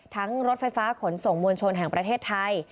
รถไฟฟ้าขนส่งมวลชนแห่งประเทศไทย